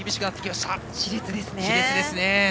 しれつですね。